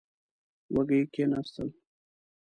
وږي کېناستل.